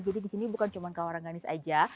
jadi di sini bukan cuma kawah rengganis saja